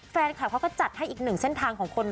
แฟนคลับเขาก็จัดให้อีกหนึ่งเส้นทางของคน